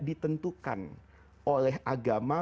ditentukan oleh agama